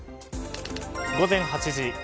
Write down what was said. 午前８時。